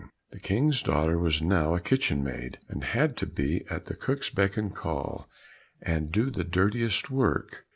The King's daughter was now a kitchen maid, and had to be at the cook's beck and call, and do the dirtiest work.